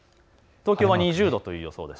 東京は２０度という予想です。